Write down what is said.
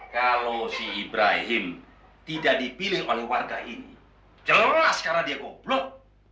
kalau si ibrahim tidak dipilih oleh warga ini jelas karena dia goblok